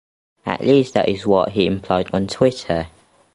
At least that is what he implied on Twitter.